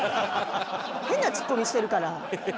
変なツッコミしてるから。